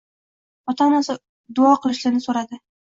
ota-onasi uchun duo qilishini so'rardi.